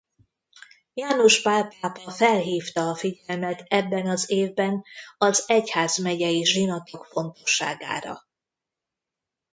János Pál pápa felhívta a figyelmet ebben az évben az egyházmegyei zsinatok fontosságára.